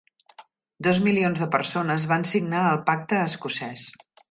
Dos milions de persones van signar el Pacte escocès.